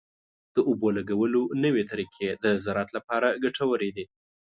د اوبو لګولو نوې طریقې د زراعت لپاره ګټورې دي.